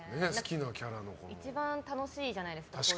一番、楽しいじゃないですか。